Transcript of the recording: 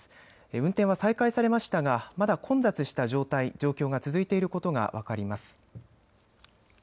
運転は再開されましたがまだ混雑した状態、状況が続いていることが分かります。